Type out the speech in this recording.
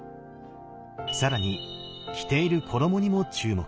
更に着ている衣にも注目。